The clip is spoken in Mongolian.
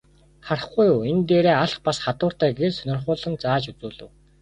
Харахгүй юу, энэ дээрээ алх бас хадууртай гээд сонирхуулан зааж үзүүлэв.